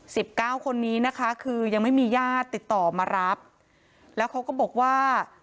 สิบเก้าคนนี้นะคะคือยังไม่มีญาติติดต่อมารับแล้วเขาก็บอกว่า